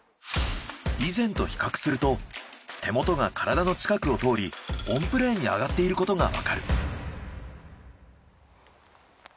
以前と比較すると手元が体の近くを通りオンプレーンに上がっていることがわかる。